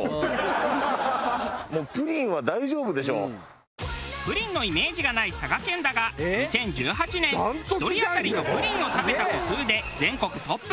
プリンのイメージがない佐賀県だが２０１８年１人当たりのプリンを食べた個数で全国トップ。